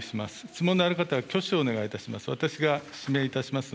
質問のあるかたは挙手をお願いいたします。